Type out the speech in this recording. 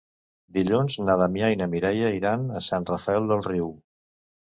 Dilluns na Damià i na Mireia iran a Sant Rafel del Riu.